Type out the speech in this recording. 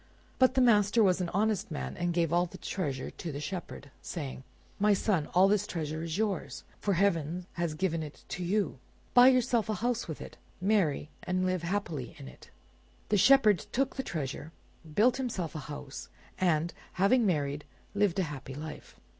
But the master was an honest man, and gave all the treasure to the Shepherd, saying— "My son, all this treasure is yours, for heaven has given it to you. Buy yourself a house with it, marry, and live happily in it." The Shepherd took the treasure, built himself a house, and, having married, lived a happy life.